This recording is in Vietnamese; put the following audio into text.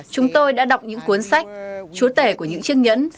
chúng tôi đã đọc những cuốn sách chúa tể của những chiếc nhẫn